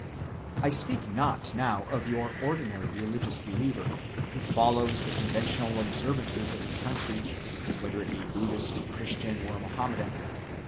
I speak not now of your ordinary religious believer, who follows the conventional observances of his country, whether it be Buddhist, Christian, or Mohammedan.